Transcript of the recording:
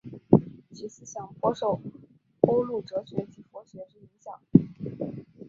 其思想颇受欧陆哲学及佛学之影响。